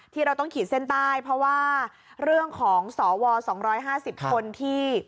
ที่เราต้องขีดเส้นใต้เพราะว่าเรื่องของสว๒๕๐คนที่